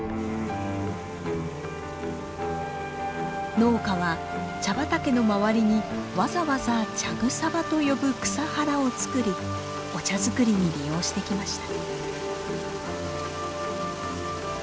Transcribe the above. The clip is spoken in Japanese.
農家は茶畑の周りにわざわざ「茶草場」と呼ぶ草原をつくりお茶作りに利用してきました。